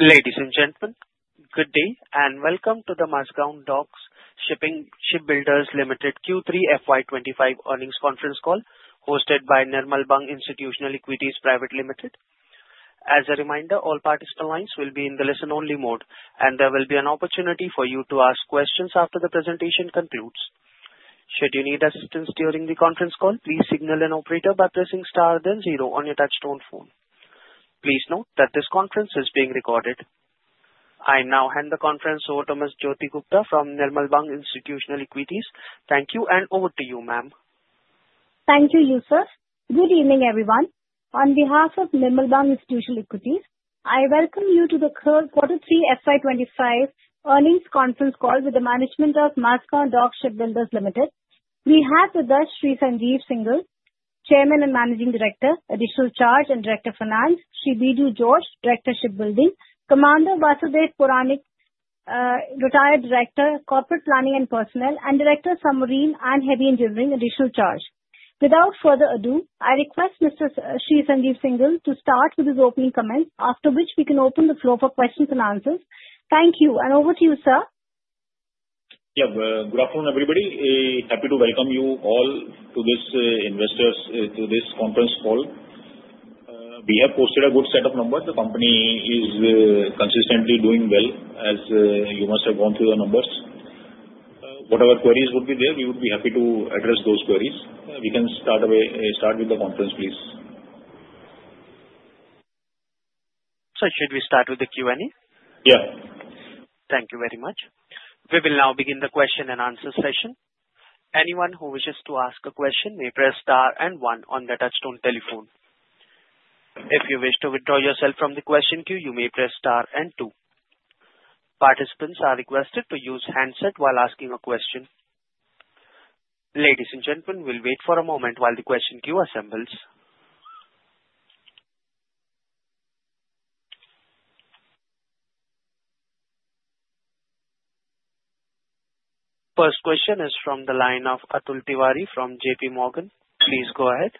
Ladies and gentlemen, good day and welcome to the Mazagon Dock Shipbuilders Limited Q3 FY 2025 earnings conference call hosted by Nirmal Bang Institutional Equities Private Limited. As a reminder, all participant lines will be in the listen-only mode, and there will be an opportunity for you to ask questions after the presentation concludes. Should you need assistance during the conference call, please signal an operator by pressing star then zero on your touch-tone phone. Please note that this conference is being recorded. I now hand the conference over to Ms. Jyoti Gupta from Nirmal Bang Institutional Equities. Thank you, and over to you, ma'am. Thank you, Yusuf. Good evening, everyone. On behalf of Nirmal Bang Institutional Equities, I welcome you to the Q3 FY 2025 earnings conference call with the management of Mazagon Dock Shipbuilders Limited. We have with us Shri Sanjeev Singh, Chairman and Managing Director (Additional Charge) and Director of Finance. Shri Biju George, Director of Shipbuilding. Commander Vasudev Puranik (Retd.), Director of Corporate Planning and Personnel, and Director of Submarine and Heavy Engineering (Additional Charge). Without further ado, I request Mr. Sanjeev Singh to start with his opening comments, after which we can open the floor for questions and answers. Thank you, and over to you, sir. Yeah, good afternoon, everybody. Happy to welcome you all to this conference call. We have posted a good set of numbers. The company is consistently doing well, as you must have gone through the numbers. Whatever queries would be there, we would be happy to address those queries. We can start with the conference, please. So, should we start with the Q&A? Yeah. Thank you very much. We will now begin the question and answer session. Anyone who wishes to ask a question may press star and one on the touch-tone telephone. If you wish to withdraw yourself from the question queue, you may press star and two. Participants are requested to use handset while asking a question. Ladies and gentlemen, we'll wait for a moment while the question queue assembles. First question is from the line of Atul Tiwari from J.P. Morgan. Please go ahead.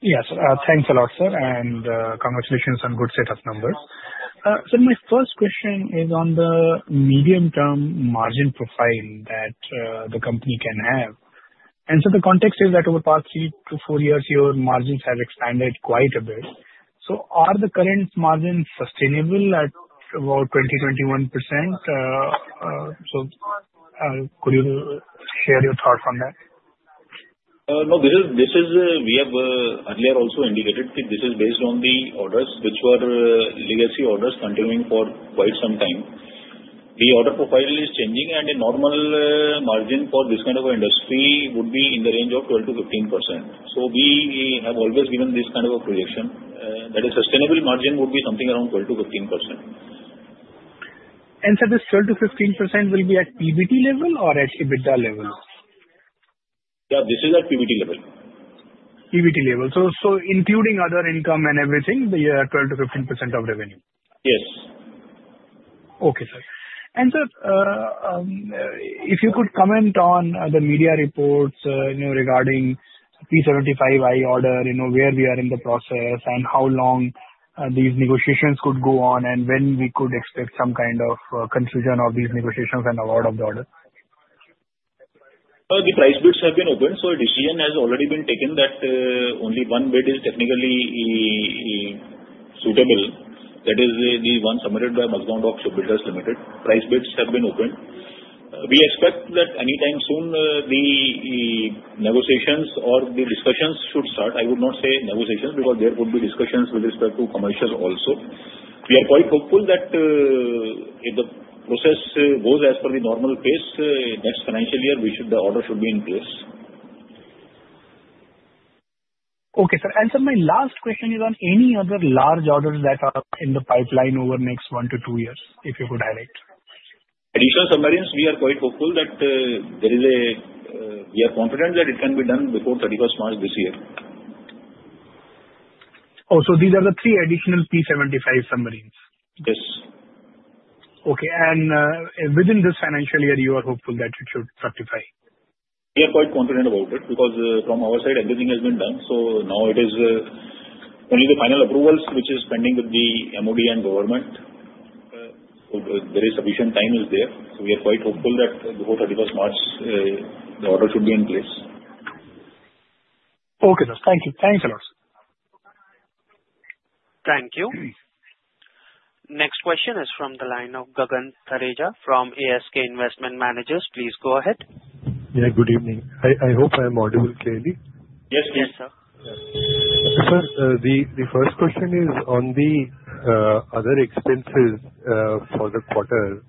Yes, thanks a lot, sir, and congratulations on a good set of numbers. Sir, my first question is on the medium-term margin profile that the company can have. And sir, the context is that over the past three to four years, your margins have expanded quite a bit. So, are the current margins sustainable at about 20% to 21%? So, could you share your thoughts on that? No, this is—we have earlier also indicated that this is based on the orders, which were legacy orders continuing for quite some time. The order profile is changing, and a normal margin for this kind of an industry would be in the range of 12% to 15%. So, we have always given this kind of a projection that a sustainable margin would be something around 12% to 15%. Sir, this 12% to 15% will be at EBIT level or at EBITDA level? Yeah, this is at EBIT level. EBIT level. So, including other income and everything, the 12%-15% of revenue? Yes. Okay, sir. And sir, if you could comment on the media reports regarding P75I order, where we are in the process, and how long these negotiations could go on, and when we could expect some kind of conclusion of these negotiations and award of the order? The price bids have been opened, so a decision has already been taken that only one bid is technically suitable. That is, the one submitted by Mazagon Dock Shipbuilders Limited. We expect that anytime soon the negotiations or the discussions should start. I would not say negotiations because there would be discussions with respect to commercial also. We are quite hopeful that if the process goes as per the normal pace, next financial year, the order should be in place. Okay, sir, and sir, my last question is on any other large orders that are in the pipeline over the next one to two years, if you could highlight. Additional submarines, we are quite hopeful that we are confident that it can be done before 31st March this year. Oh, so these are the three additional P75 submarines? Yes. Okay, and within this financial year, you are hopeful that it should rectify? We are quite confident about it because from our side, everything has been done. So now it is only the final approvals, which is pending with the MOD and government. There is sufficient time there. So we are quite hopeful that before 31st March, the order should be in place. Okay, sir. Thank you. Thanks a lot. Thank you. Next question is from the line of Gagan Thareja from ASK Investment Managers. Please go ahead. Yeah, good evening. I hope I am audible clearly. Yes, please. Yes, sir. Sir, the first question is on the other expenses for the quarter.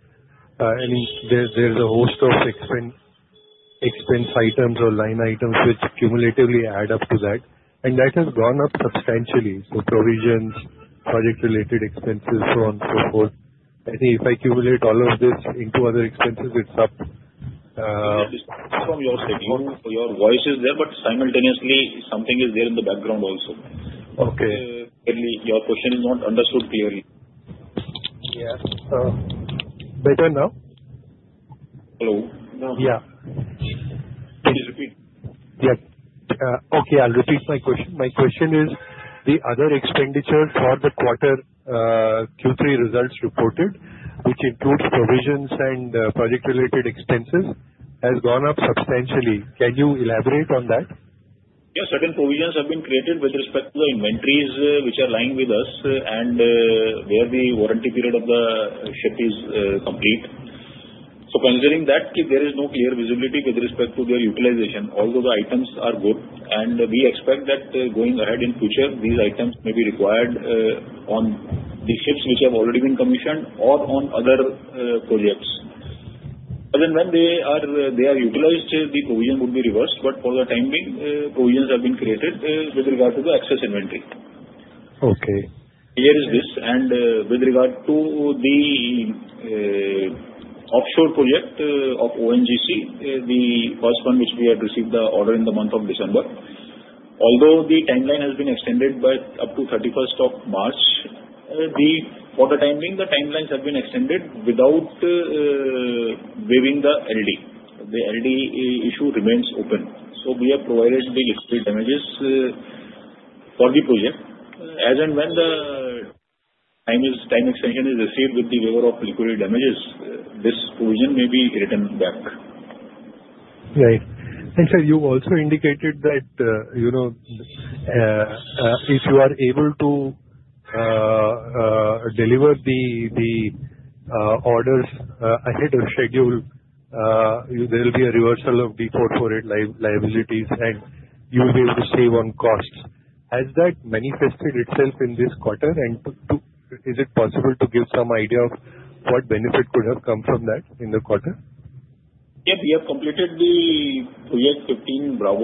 I mean, there's a host of expense items or line items which cumulatively add up to that, and that has gone up substantially. So provisions, project-related expenses, so on and so forth. I think if I cumulate all of this into other expenses, it's up. From your side, your voice is there, but simultaneously, something is there in the background also. Okay. Your question is not understood clearly. Yeah. Better now? Hello? Yeah. Please repeat. Yeah. Okay, I'll repeat my question. My question is, the other expenditure for the quarter Q3 results reported, which includes provisions and project-related expenses, has gone up substantially. Can you elaborate on that? Yes. Certain provisions have been created with respect to the inventories which are lying with us and where the warranty period of the ship is complete, so considering that, there is no clear visibility with respect to their utilization. Although the items are good, and we expect that going ahead in the future, these items may be required on the ships which have already been commissioned or on other projects, but then when they are utilized, the provision would be reversed, but for the time being, provisions have been created with regard to the excess inventory. Okay. Here is this. With regard to the offshore project of ONGC, the first one which we had received the order in the month of December, although the timeline has been extended up to 31st of March, for the time being, the timelines have been extended without waiving the LD. The LD issue remains open. So we have provided the liquidated damages for the project. As and when the time extension is received with the waiver of liquidated damages, this provision may be written back. Right. And sir, you also indicated that if you are able to deliver the orders ahead of schedule, there will be a reversal of the D448 liabilities, and you will be able to save on costs. Has that manifested itself in this quarter? And is it possible to give some idea of what benefit could have come from that in the quarter? Yeah, we have completed the Project 15 Bravo.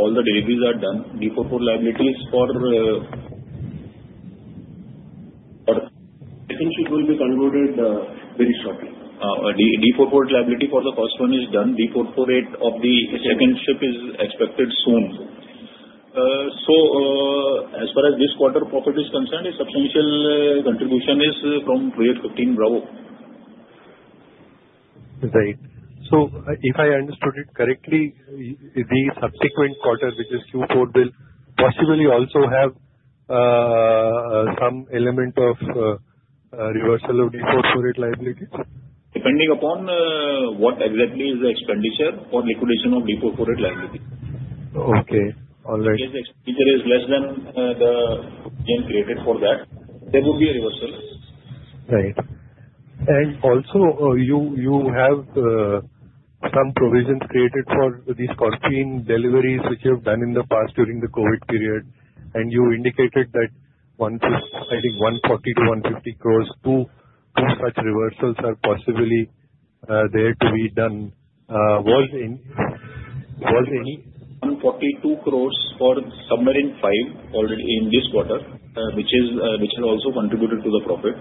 All the deliveries are done. D448 liabilities for the second ship will be concluded very shortly. D448 liability for the first one is done. D448 of the second ship is expected soon. So as far as this quarter profit is concerned, a substantial contribution is from Project 15 Bravo. Right. So if I understood it correctly, the subsequent quarter, which is Q4, will possibly also have some element of reversal of D448 liabilities? Depending upon what exactly is the expenditure for liquidation of D448 liability. Okay. All right. If the expenditure is less than the provision created for that, there would be a reversal. Right. And also, you have some provisions created for these 14 deliveries which you have done in the past during the COVID period. And you indicated that I think 140 to 150 crores to such reversals are possibly there to be done. Was any? 142 for Submarine 5 already in this quarter, which has also contributed to the profit.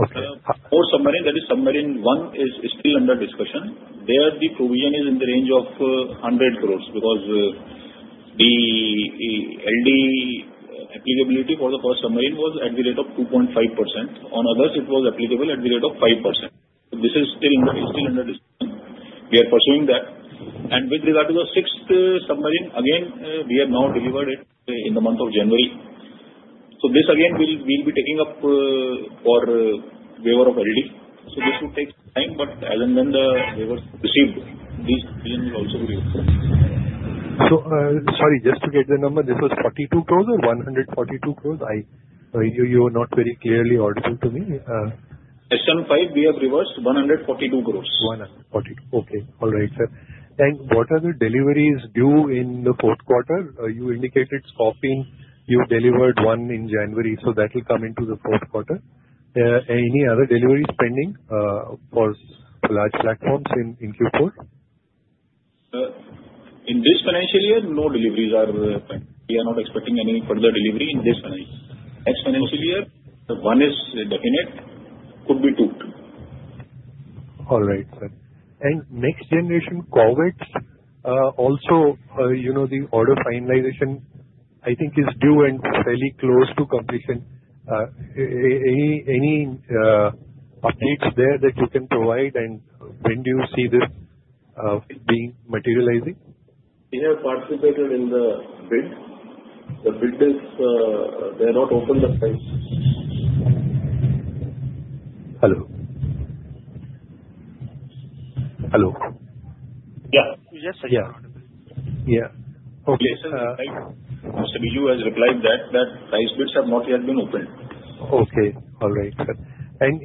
Okay. More submarine, that is Submarine 1, is still under discussion. There, the provision is in the range of 100 crores because the LD applicability for the first submarine was at the rate of 2.5%. On others, it was applicable at the rate of 5%. This is still under discussion. We are pursuing that. And with regard to the sixth submarine, again, we have now delivered it in the month of January. So this again, we'll be taking up for waiver of LD. So this would take time, but as and when the waiver is received, this provision will also be reversed. So sorry, just to get the number, this was 42 or 142 crores? You were not very clearly audible to me. SM 5, we have reversed 142 crores. Okay. All right, sir. And what are the deliveries due in the fourth quarter? You indicated 14. You delivered one in January. So that will come into the fourth quarter. Any other delivery pending for large platforms in Q4? In this financial year, no deliveries are pending. We are not expecting any further delivery in this financial year. Next financial year, one is definite. Could be two. All right, sir. And Next Generation Corvette, also the order finalization, I think is due and fairly close to completion. Any updates there that you can provide? And when do you see this being materializing? We have participated in the bid. The bid is they are not opened at times. Hello? Hello? Yeah. Yes, sir. Yeah. Okay. Yes, sir, so you guys replied that price bids have not yet been opened. Okay. All right, sir. And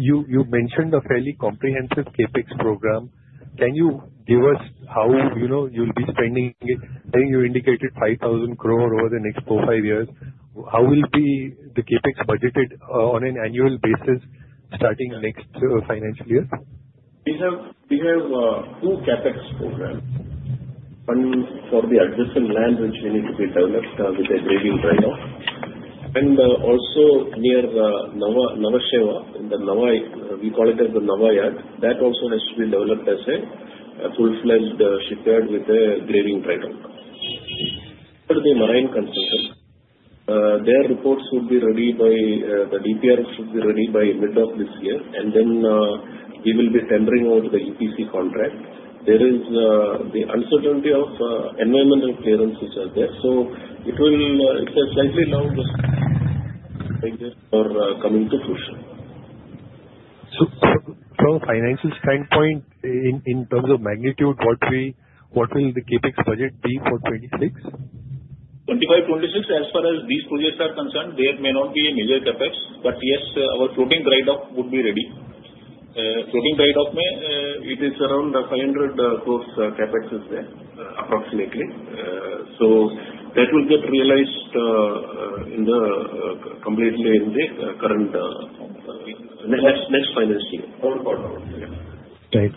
you mentioned a fairly comprehensive CAPEX program. Can you give us how you'll be spending it? I think you indicated 5,000 crores over the next four, five years. How will the CAPEX budgeted on an annual basis starting next financial year? We have two CapEx programs. One for the adjacent land, which we need to be developed with a graving dock. Also near Nhava Sheva, we call it as the Nhava Yard. That also has to be developed as a full-fledged shipyard with a graving dock. For the marine consultant, their reports would be ready. The DPR should be ready by mid of this year. And then we will be tendering out the EPC contract. There is the uncertainty of environmental clearance, which are there. So it's a slightly longer cycle for coming to fruition. From a financial standpoint, in terms of magnitude, what will the CAPEX budget be for 2026? 25, 26, as far as these projects are concerned, there may not be a major CapEx. But yes, our floating dry dock would be ready. Floating dry dock, it is around 500 crores CapEx is there, approximately. So that will get realized completely in the current next financial year. Right.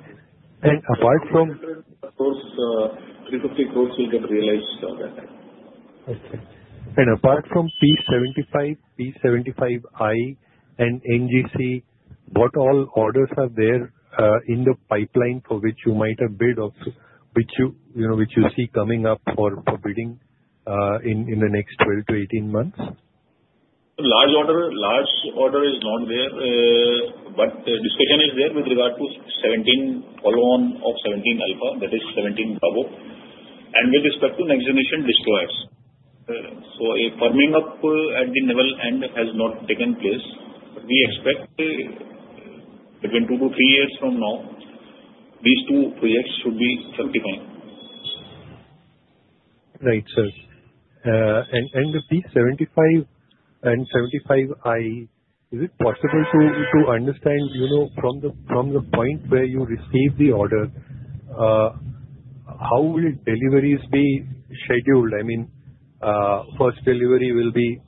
And apart from. Of course, 350 crores will get realized that time. Okay. And apart from P75, P75I, and NGC, what all orders are there in the pipeline for which you might have bid on, which you see coming up for bidding in the next 12-18 months? Large order is not there, but the discussion is there with regard to 17 follow-on of 17 Alpha. That is 17 Bravo. And with respect to Next Generation Destroyers, so a firming up at the naval end has not taken place. We expect between two to three years from now, these two projects should be certified. Right, sir. The P75 and P75I, is it possible to understand from the point where you receive the order, how will deliveries be scheduled? I mean, first delivery will be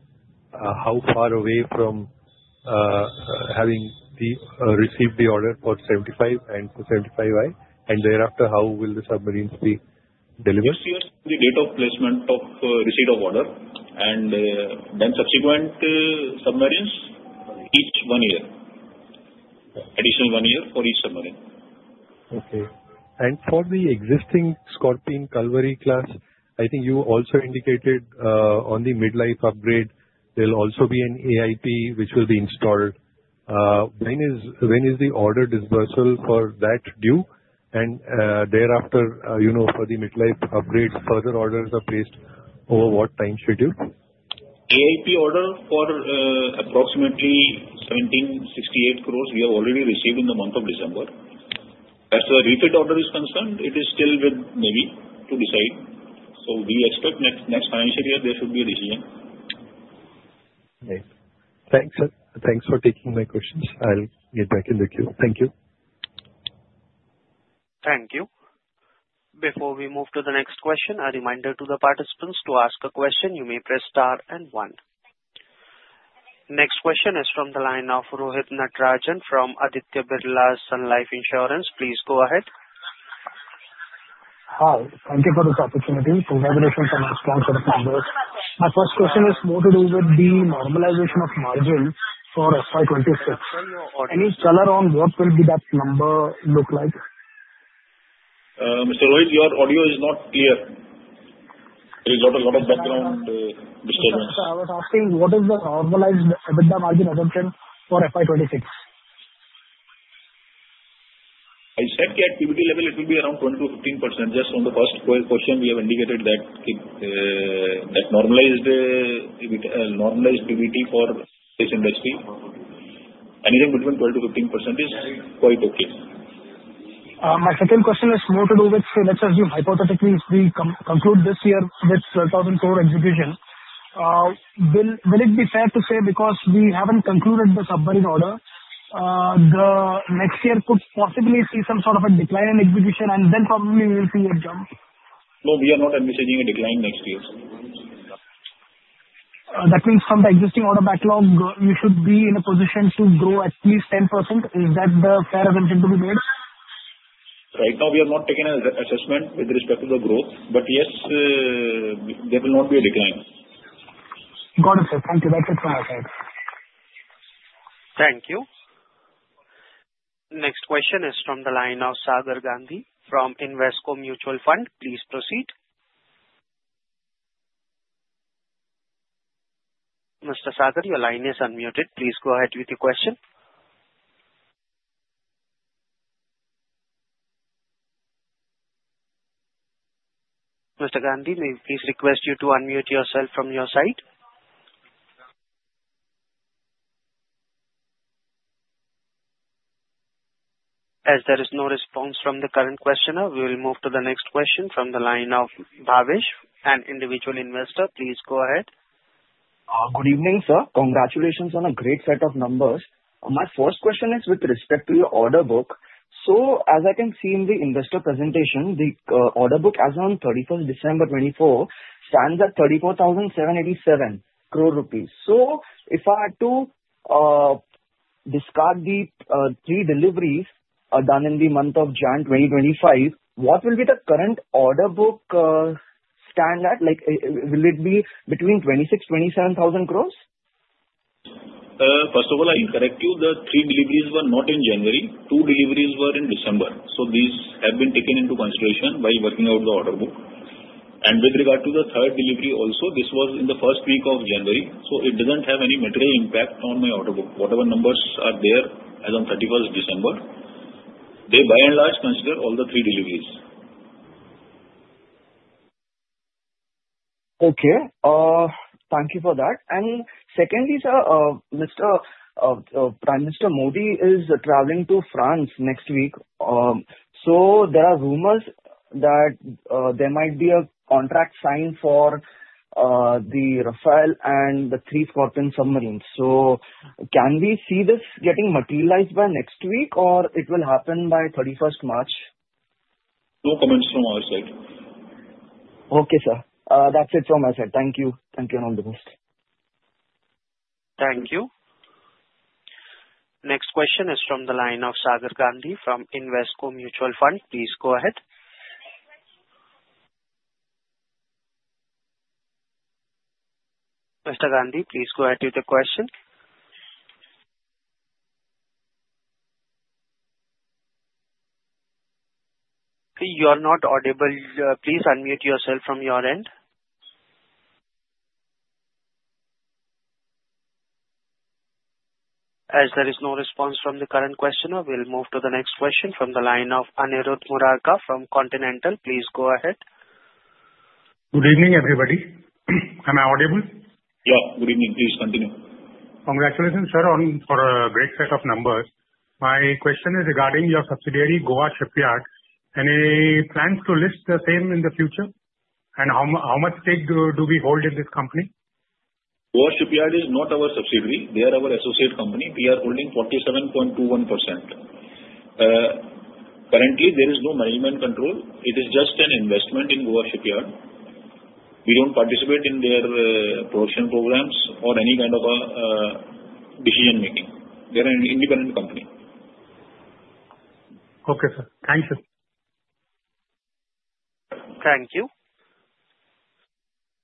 how far away from having received the order for P75 and P75I? And thereafter, how will the submarines be delivered? This year, the date of placement or receipt of order, and then subsequent submarines, each one year. Additional one year for each submarine. Okay. And for the existing Scorpene Kalvari class, I think you also indicated on the mid-life upgrade, there will also be an AIP, which will be installed. When is the order disbursal for that due? And thereafter, for the mid-life upgrade, further orders are placed over what time schedule? AIP order for approximately 1,768 crores, we have already received in the month of December. As for repeat orders concerned, it is still with Navy to decide, so we expect next financial year, there should be a decision. Right. Thanks, sir. Thanks for taking my questions. I'll get back in the queue. Thank you. Thank you. Before we move to the next question, a reminder to the participants to ask a question. You may press star and one. Next question is from the line of Rohit Natarajan from Aditya Birla Sun Life Insurance. Please go ahead. Hi. Thank you for this opportunity. Congratulations on a strong set of numbers. My first question is more to do with the normalization of margin for FY 2026. Any color on what will that number look like? Mr. Rohit, your audio is not clear. There is a lot of background disturbance. I was asking what is the normalized EBITDA margin assumption for FY 2026? I said the activity level, it will be around 12% to 15%. Just on the first question, we have indicated that normalized PBT for this industry, anything between 12% to 15% is quite okay. My second question is more to do with, let's assume hypothetically, if we conclude this year with 12,000 crore execution, will it be fair to say because we haven't concluded the submarine order, the next year could possibly see some sort of a decline in execution, and then probably we'll see a jump? No, we are not anticipating a decline next year. That means from the existing order backlog, we should be in a position to grow at least 10%. Is that the fair assumption to be made? Right now, we have not taken an assessment with respect to the growth, but yes, there will not be a decline. Got it, sir. Thank you. That's it from my side. Thank you. Next question is from the line of Sagar Gandhi from Invesco Mutual Fund. Please proceed. Mr. Sagar, your line is unmuted. Please go ahead with your question. Mr. Gandhi, may we please request you to unmute yourself from your side? As there is no response from the current questioner, we will move to the next question from the line of Bhavesh, an individual investor. Please go ahead. Good evening, sir. Congratulations on a great set of numbers. My first question is with respect to your order book. So as I can see in the investor presentation, the order book as of 31st December 2024 stands at 34,787 crore rupees. So if I had to discard the three deliveries done in the month of January 2025, what will be the current order book stand at? Will it be between 26,000 to 27,000 crores? First of all, I'll correct you. The three deliveries were not in January. Two deliveries were in December. So these have been taken into consideration by working out the order book. And with regard to the third delivery also, this was in the first week of January. So it doesn't have any material impact on my order book. Whatever numbers are there as of 31st December, they by and large consider all the three deliveries. Okay. Thank you for that. And secondly, sir, Prime Minister Modi is traveling to France next week. So there are rumors that there might be a contract signed for the Rafale and the three Scorpene submarines. So can we see this getting materialized by next week, or it will happen by 31st March? No comments from our side. Okay, sir. That's it from my side. Thank you. Thank you and all the best. Thank you. Next question is from the line of Sagar Gandhi from Invesco Mutual Fund. Please go ahead. Mr. Gandhi, please go ahead with the question. You are not audible. Please unmute yourself from your end. As there is no response from the current questioner, we'll move to the next question from the line of Aniruddh Murarka from Continental Securities. Please go ahead. Good evening, everybody. Am I audible? Yeah. Good evening. Please continue. Congratulations, sir, for a great set of numbers. My question is regarding your subsidiary, Goa Shipyard. Any plans to list the same in the future? And how much stake do we hold in this company? Goa Shipyard is not our subsidiary. They are our associate company. We are holding 47.21%. Currently, there is no management control. It is just an investment in Goa Shipyard. We don't participate in their production programs or any kind of decision-making. They are an independent company. Okay, sir. Thank you. Thank you.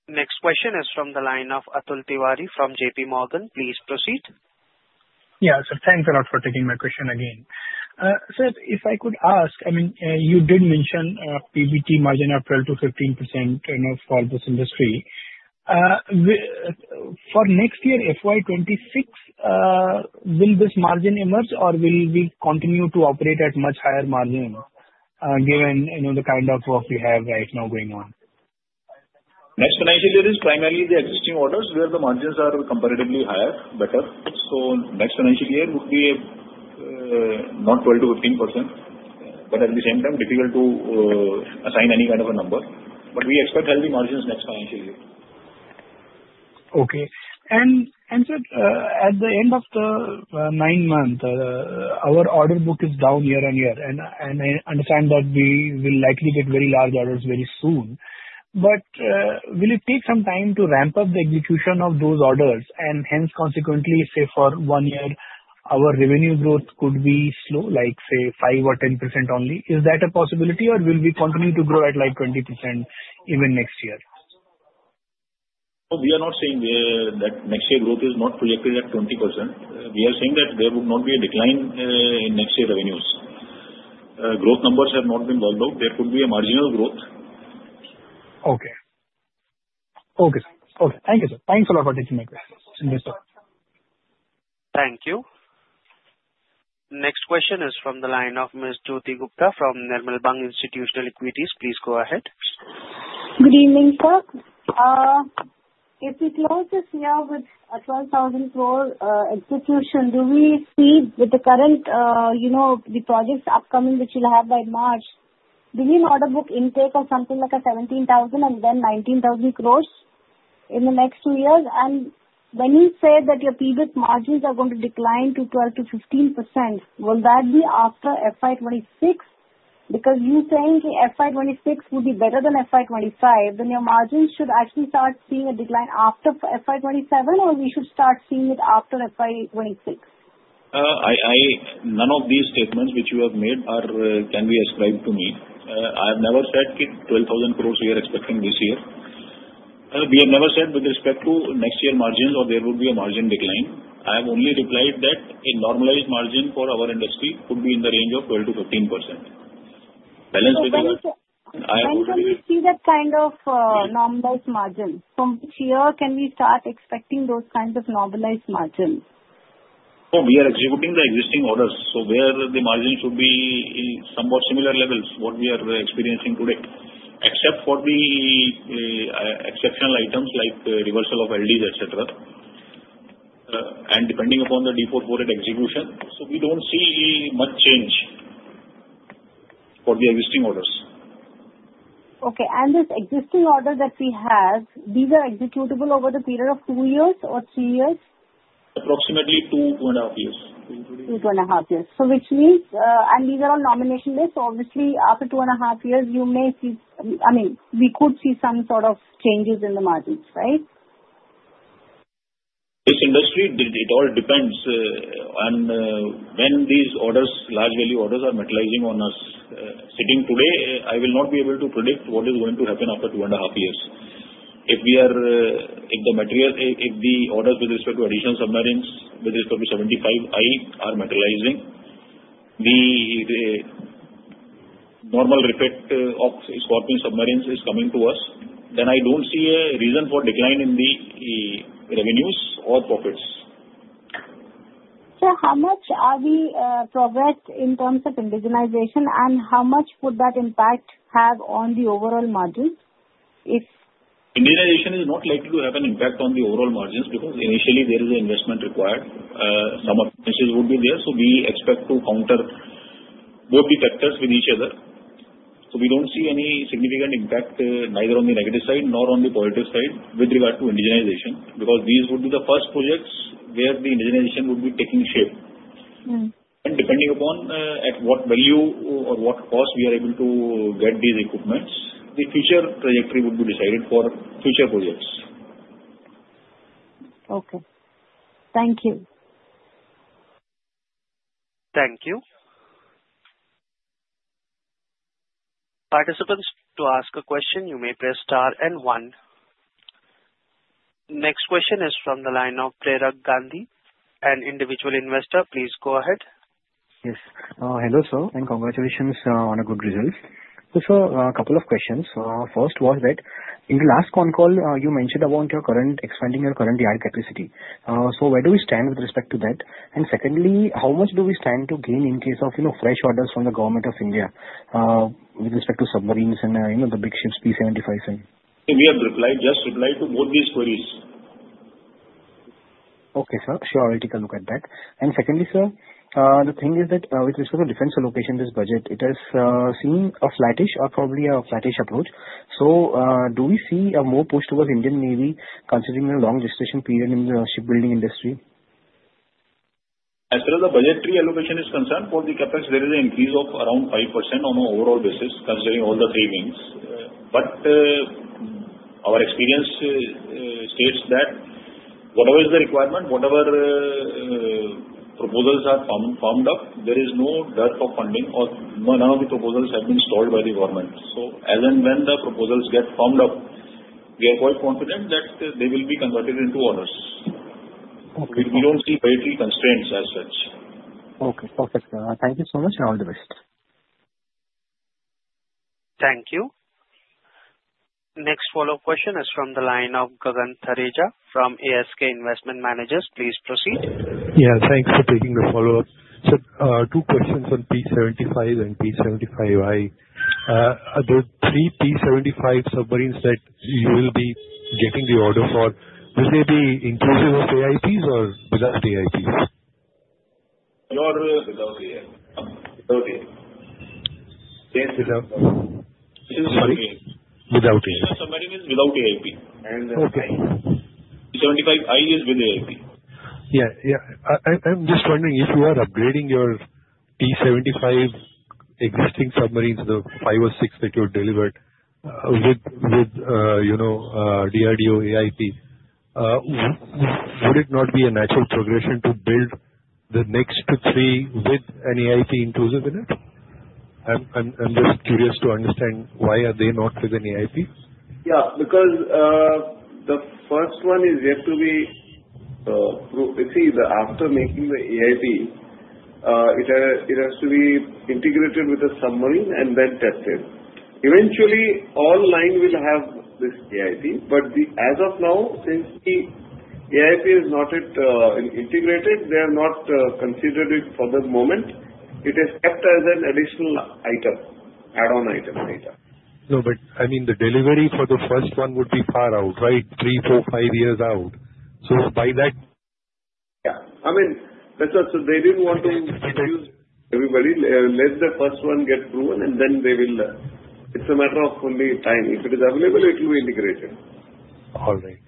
Next question is from the line of Atul Tiwari from J.P. Morgan. Please proceed. Yeah, sir. Thanks a lot for taking my question again. Sir, if I could ask, I mean, you did mention PBT margin of 12-15% for this industry. For next year, FY 2026, will this margin emerge, or will we continue to operate at much higher margin given the kind of work we have right now going on? Next financial year is primarily the existing orders, where the margins are comparatively higher, better. So next financial year would be not 12% to 15%, but at the same time, difficult to assign any kind of a number. But we expect healthy margins next financial year. Okay. And sir, at the end of the nine months, our order book is down year on year. And I understand that we will likely get very large orders very soon. But will it take some time to ramp up the execution of those orders? And hence, consequently, say for one year, our revenue growth could be slow, like say 5% or 10% only. Is that a possibility, or will we continue to grow at like 20% even next year? We are not saying that next year growth is not projected at 20%. We are saying that there would not be a decline in next year revenues. Growth numbers have not been worked out. There could be a marginal growth. Okay. Okay, sir. Okay. Thank you, sir. Thanks a lot for taking my question, Mr. Thank you. Next question is from the line of Ms. Jyoti Gupta from Nirmal Bang Institutional Equities. Please go ahead. Good evening, sir. If we close this year with a 12,000 crore execution, do we see with the current projects upcoming which we'll have by March, do we order book intake of something like 17,000 and then 19,000 crores in the next two years? And when you say that your PBT margins are going to decline to 12% to 15%, will that be after FY 2026? Because you're saying FY 2026 would be better than FY 2025, then your margins should actually start seeing a decline after FY 2027, or we should start seeing it after FY 2026? None of these statements which you have made can be ascribed to me. I have never said 12,000 crores we are expecting this year. We have never said with respect to next year margins or there would be a margin decline. I have only replied that a normalized margin for our industry could be in the range of 12% to 15%. And can we see that kind of normalized margin? From which year can we start expecting those kinds of normalized margins? We are executing the existing orders. So where the margin should be somewhat similar levels to what we are experiencing today, except for the exceptional items like reversal of LDs, etc., and depending upon the D448 execution. So we don't see much change for the existing orders. Okay. And this existing order that we have, these are executable over the period of two years or three years? Approximately two and a half years. Two to two and a half years, so which means, and these are on nomination list, obviously, after two and a half years, you may see, I mean, we could see some sort of changes in the margins, right? This industry, it all depends, and when these orders, large value orders, are materializing on us sitting today, I will not be able to predict what is going to happen after two and a half years. If the orders with respect to additional submarines with respect to 75I are materializing, the normal repeat of Scorpene submarines is coming to us, then I don't see a reason for decline in the revenues or profits. Sir, how much are we progressed in terms of indigenization, and how much would that impact have on the overall margins? Indigenization is not likely to have an impact on the overall margins because initially, there is an investment required. Some of the changes would be there. So we expect to counter both the factors with each other. So we don't see any significant impact neither on the negative side nor on the positive side with regard to indigenization because these would be the first projects where the indigenization would be taking shape. And depending upon at what value or what cost we are able to get these equipment, the future trajectory would be decided for future projects. Okay. Thank you. Thank you. Participants, to ask a question, you may press star and one. Next question is from the line of Prerak Gandhi, an individual investor. Please go ahead. Yes. Hello, sir, and congratulations on a good result. So, sir, a couple of questions. First was that in the last phone call, you mentioned about expanding your current yard capacity. So where do we stand with respect to that? And secondly, how much do we stand to gain in case of fresh orders from the Government of India with respect to submarines and the big ships, P-75s? We have just replied to both these queries. Okay, sir. Sure, I'll take a look at that. And secondly, sir, the thing is that with respect to defense allocation, this budget, it has seen a flattish or probably a flattish approach. So do we see a more push towards Indian Navy considering a long gestation period in the shipbuilding industry? As far as the budgetary allocation is concerned, for the CapEx, there is an increase of around 5% on an overall basis considering all the three wings. But our experience states that whatever is the requirement, whatever proposals are formed up, there is no dearth of funding, or none of the proposals have been stalled by the government. So as and when the proposals get formed up, we are quite confident that they will be converted into orders. We don't see budgetary constraints as such. Okay. Perfect. Thank you so much and all the best. Thank you. Next follow-up question is from the line of Gagan Thareja. From ASK Investment Managers, please proceed. Yeah, thanks for taking the follow-up. Sir, two questions on P-75 and P-75I. Are there three P-75 submarines that you will be getting the order for? Will they be inclusive of AIPs or without AIPs? Without AIP. Without AIP. Sorry? Without AIP. Submarine is without AIP. Okay. P-75I is with AIP. Yeah. Yeah. I'm just wondering if you are upgrading your P-75 existing submarines, the five or six that you have delivered with DRDO AIP, would it not be a natural progression to build the next three with an AIP inclusive in it? I'm just curious to understand why are they not with an AIP? Yeah. Because the first one is yet to be approved. You see, after making the AIP, it has to be integrated with the submarine and then tested. Eventually, all line will have this AIP. But as of now, since the AIP is not integrated, they are not considered it for the moment. It is kept as an additional item, add-on item. No, but I mean, the delivery for the first one would be far out, right? Three, four, five years out. So by that. Yeah. I mean, that's what they didn't want to introduce everybody. Let the first one get proven, and then they will. It's a matter of only time. If it is available, it will be integrated. All right.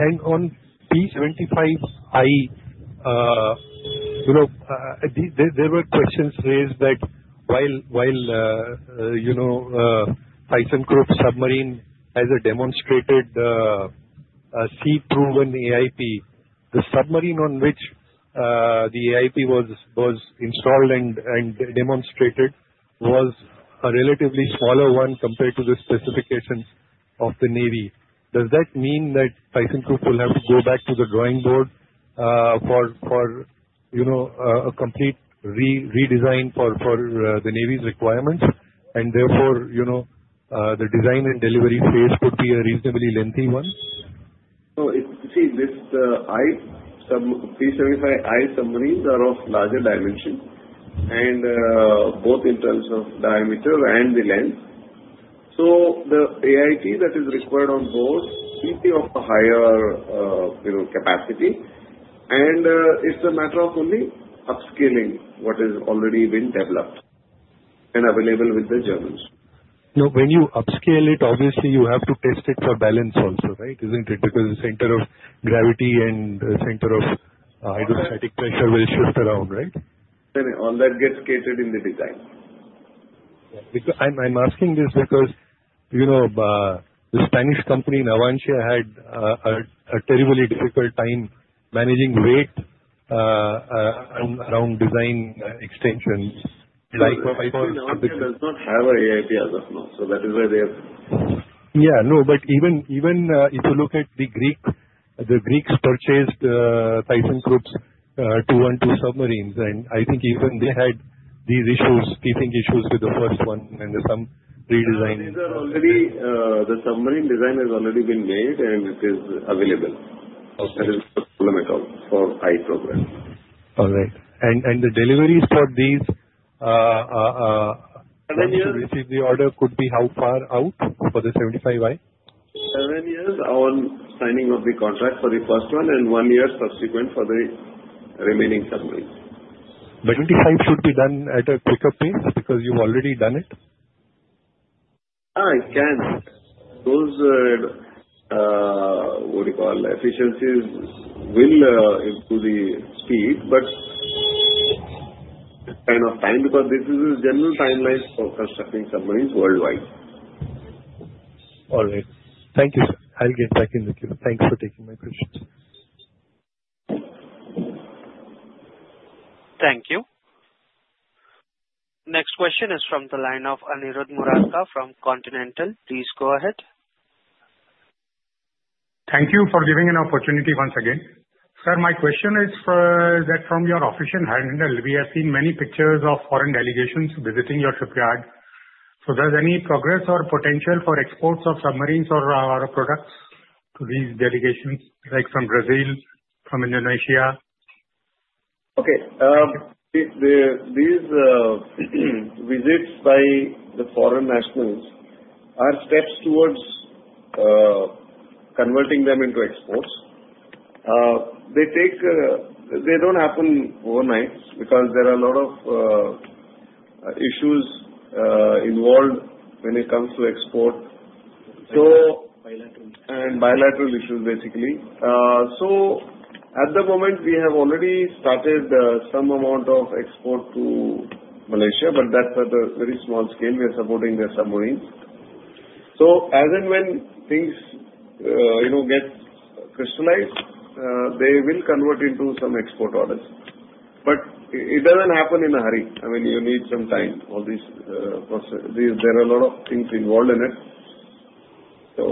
And on P-75I, there were questions raised that while ThyssenKrupp Submarine has demonstrated a sea-proven AIP, the submarine on which the AIP was installed and demonstrated was a relatively smaller one compared to the specifications of the Navy. Does that mean that ThyssenKrupp will have to go back to the drawing board for a complete redesign for the Navy's requirements? And therefore, the design and delivery phase could be a reasonably lengthy one? So you see, P75I submarines are of larger dimension, both in terms of diameter and the length. So the AIP that is required on board will be of a higher capacity. And it's a matter of only upscaling what has already been developed and available with the Germans. Now, when you upscale it, obviously, you have to test it for balance also, right? Isn't it? Because the center of gravity and the center of hydrostatic pressure will shift around, right? All that gets catered in the design. I'm asking this because the Spanish company Navantia had a terribly difficult time managing weight around design extensions. I think Navantia does not have an AIP as of now. So that is why they have. Yeah. No, but even if you look at the Greeks, the Greeks purchased ThyssenKrupp's 212 submarines, and I think even they had these issues, teething issues with the first one and some redesign. The submarine design has already been made, and it is available. That is the problem for P75I program. All right. And the deliveries for these submarines to receive the order could be how far out for the P75I? Seven years on signing of the contract for the first one and one year subsequent for the remaining submarines. But 75 should be done at a quicker pace because you've already done it? I can't. Those, what do you call, efficiencies will improve the speed, but it's kind of time because this is a general timeline for constructing submarines worldwide. All right. Thank you, sir. I'll get back in the queue. Thanks for taking my questions. Thank you. Next question is from the line of Aniruddh Murarka from Continental Securities. Please go ahead. Thank you for giving an opportunity once again. Sir, my question is from your official handout. We have seen many pictures of foreign delegations visiting your shipyard. So there's any progress or potential for exports of submarines or our products to these delegations, like from Brazil, from Indonesia? Okay. These visits by the foreign nationals are steps towards converting them into exports. They don't happen overnight because there are a lot of issues involved when it comes to export and bilateral issues, basically. So at the moment, we have already started some amount of export to Malaysia, but that's at a very small scale. We are supporting their submarines. So as and when things get crystallized, they will convert into some export orders. But it doesn't happen in a hurry. I mean, you need some time. There are a lot of things involved in it. So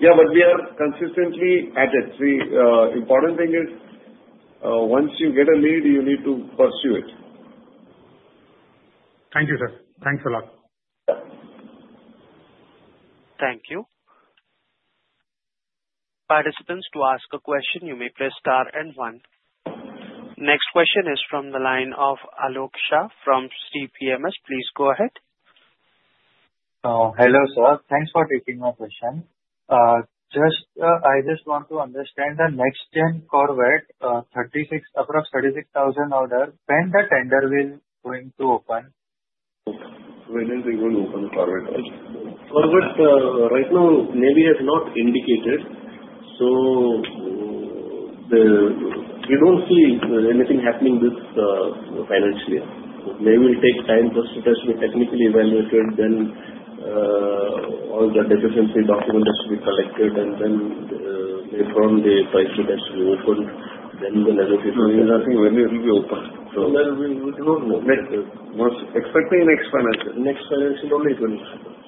yeah, but we are consistently at it. The important thing is once you get a lead, you need to pursue it. Thank you, sir. Thanks a lot. Thank you. Participants, to ask a question, you may press star and one. Next question is from the line of Alok Shah from CPMS. Please go ahead. Hello, sir. Thanks for taking my question. I just want to understand the next gen Corvette, approximately 36,000 crore order. When the tender will going to open? When is it going to open the Corvette? Corvette right now, Navy has not indicated. So we don't see anything happening financially. They will take time for it to be technically evaluated. Then all the deficiency documents will be collected, and then later on, the price will be opened. Then the negotiations. Nothing will be opened. Then we don't know. Expecting next financial. Next financial only 2025.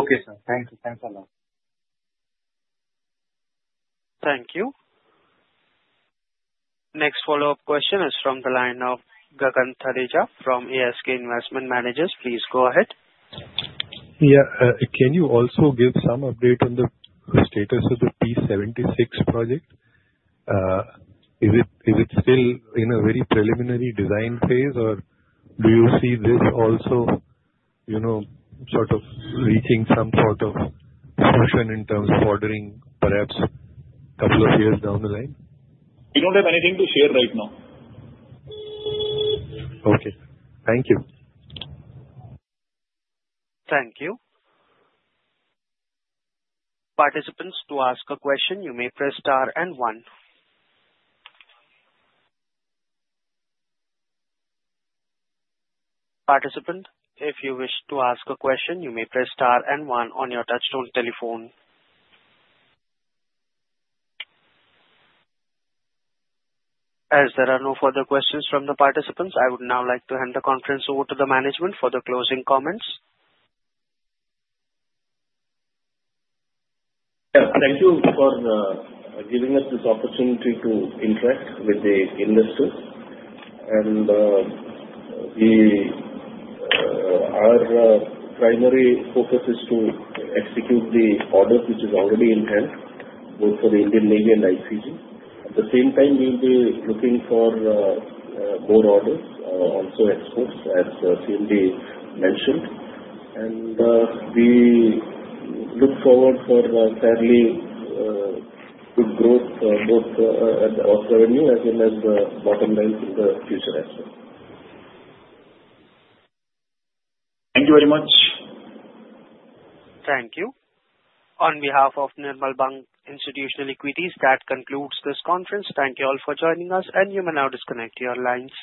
Okay, sir. Thank you. Thanks a lot. Thank you. Next follow-up question is from the line of Gagan Thareja. From ASK Investment Managers, please go ahead. Yeah. Can you also give some update on the status of the P-76 project? Is it still in a very preliminary design phase, or do you see this also sort of reaching some sort of motion in terms of ordering, perhaps a couple of years down the line? We don't have anything to share right now. Okay. Thank you. Thank you. Participants, to ask a question, you may press star and one. Participant, if you wish to ask a question, you may press star and one on your touch-tone telephone. As there are no further questions from the participants, I would now like to hand the conference over to the management for the closing comments. Thank you for giving us this opportunity to interact with the industry, and our primary focus is to execute the order which is already in hand, both for the Indian Navy and ICG. At the same time, we will be looking for more orders, also exports, as CMD mentioned, and we look forward for fairly good growth, both at the revenue as well as the bottom line in the future, I think. Thank you very much. Thank you. On behalf of Nirmal Bang Institutional Equities, that concludes this conference. Thank you all for joining us, and you may now disconnect your lines.